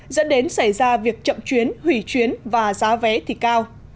dẫn đến xảy ra việc chậm chuyến hủy chuyến và giá vé thì cao